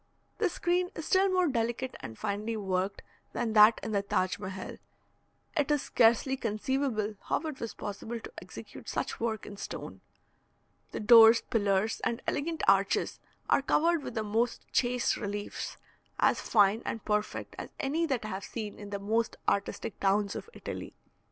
This screen is still more delicate and finely worked than that in the Taj Mehal; it is scarcely conceivable how it was possible to execute such work in stone. The doors, pillars, and elegant arches are covered with the most chaste reliefs, as fine and perfect as any that I have seen in the most artistic towns of Italy.